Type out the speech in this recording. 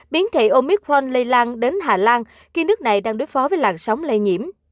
biến thị omicron lây lan đến hà lan khi nước này đang đối phó với làn sóng lây nhiễm